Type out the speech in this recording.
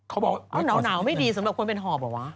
เขาบอกหนาวไม่ดีสำหรับคนเป็นหอบเหรอวะ